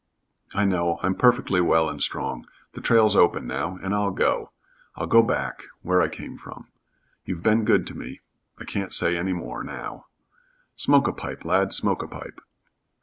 "I know. I'm perfectly well and strong. The trail's open now, and I'll go I'll go back where I came from. You've been good to me I can't say any more now." "Smoke a pipe, lad, smoke a pipe."